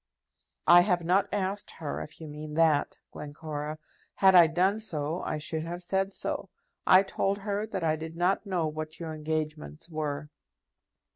"I have not asked her, if you mean that, Glencora. Had I done so, I should have said so. I told her that I did not know what your engagements were."